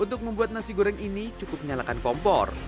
untuk membuat nasi goreng ini cukup menyalakan kompor